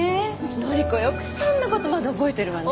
乃里子よくそんな事まで覚えてるわね。